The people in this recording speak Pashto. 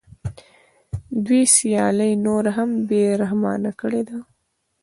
دوی سیالي نوره هم بې رحمانه کړې ده